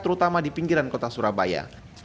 terutama di pinggiran kota surabaya